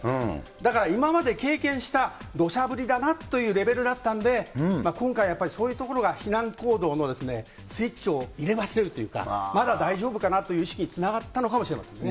だから今まで経験したどしゃ降りだなというレベルだったんで、今回、やっぱりそういうところが避難行動のスイッチを入れ忘れるというか、まだ大丈夫かなという意識につながったのかもしれませんね。